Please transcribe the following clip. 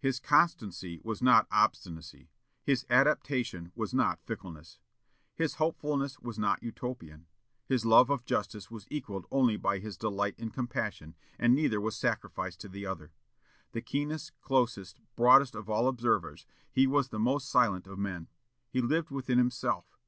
His constancy was not obstinacy; his adaptation was not fickleness. His hopefulness was not utopian. His love of justice was equalled only by his delight in compassion, and neither was sacrificed to the other.... The keenest, closest, broadest of all observers, he was the most silent of men. He lived within himself.